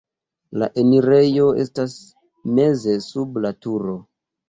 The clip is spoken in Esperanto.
La enirejo estas meze sub la turo.